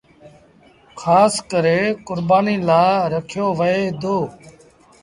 کآس ڪري ڪربآݩيٚ لآ رکيو وهي دو۔